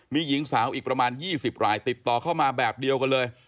มีหญิงสาวอีกประมาณ๒๐รายติดต่อเข้ามาแบบเดียวกันเลย